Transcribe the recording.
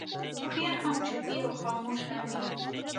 خو بیا هم چوپې او خاموشه وي.